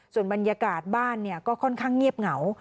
ส่วนบรรยากาศบ้านก็ค่อนข้างเงียบเหงา